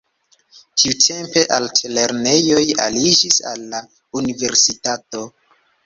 Tiutempe altlernejoj aliĝis al la universitato.